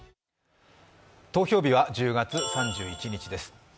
投票日は１０月３１日です。